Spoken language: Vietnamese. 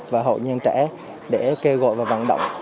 và hội nhân trẻ để kêu gọi và vận động